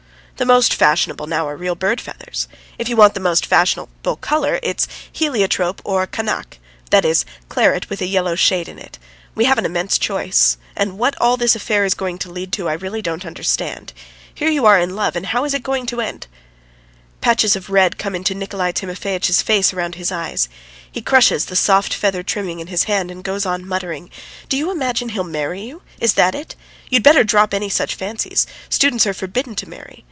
"The most fashionable now are real bird feathers. If you want the most fashionable colour, it's heliotrope or kanak that is, claret with a yellow shade in it. We have an immense choice. And what all this affair is going to lead to, I really don't understand. Here you are in love, and how is it to end?" Patches of red come into Nikolay Timofeitch's face round his eyes. He crushes the soft feather trimming in his hand and goes on muttering: "Do you imagine he'll marry you is that it? You'd better drop any such fancies. Students are forbidden to marry.